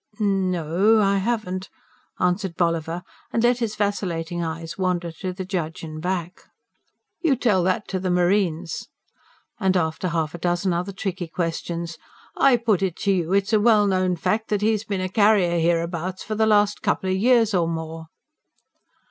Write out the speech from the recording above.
"N ... no, I haven't," answered Bolliver, and let his vacillating eyes wander to the judge and back. "You tell that to the marines!" And after half a dozen other tricky questions: "I put it to you, it's a well known fact that he's been a carrier hereabouts for the last couple o' years or more?"